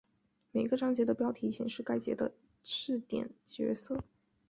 每个章节的标题显示该节的视点角色。